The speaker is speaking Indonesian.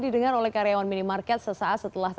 di gudang alfa lagi pengen menerim bagian ngisi stok lah